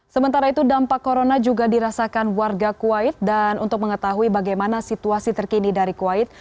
sementara itu dampak corona juga dirasakan warga kuwait dan untuk mengetahui bagaimana situasi terkini dari kuwait